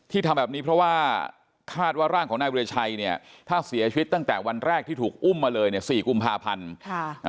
ทำแบบนี้เพราะว่าคาดว่าร่างของนายวิรชัยเนี่ยถ้าเสียชีวิตตั้งแต่วันแรกที่ถูกอุ้มมาเลยเนี่ย๔กุมภาพันธ์